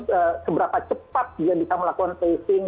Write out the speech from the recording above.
terus seberapa cepat dia bisa melakukan tracing